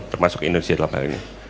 termasuk indonesia dalam hal ini